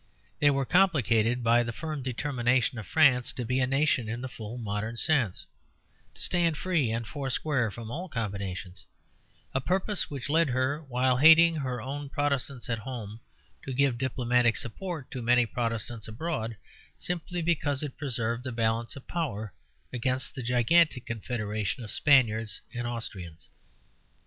They were complicated by the firm determination of France to be a nation in the full modern sense; to stand free and foursquare from all combinations; a purpose which led her, while hating her own Protestants at home, to give diplomatic support to many Protestants abroad, simply because it preserved the balance of power against the gigantic confederation of Spaniards and Austrians.